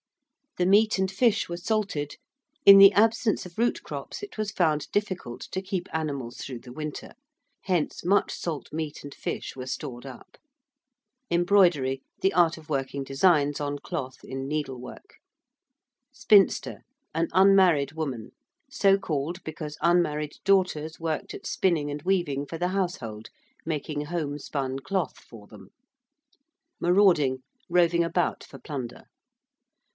~the meat and fish were salted~: in the absence of root crops it was found difficult to keep animals through the winter. Hence much salt meat and fish were stored up. ~embroidery~: the art of working designs on cloth in needlework. ~spinster~: an unmarried woman; so called because unmarried daughters worked at spinning and weaving for the household, making 'homespun' cloth for them. ~marauding~: roving about for plunder.